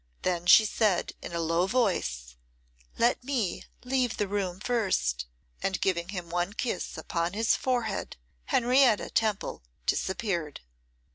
Then she said in a low voice, 'Let me leave the room first;' and, giving him one kiss upon his forehead, Henrietta Temple disappeared.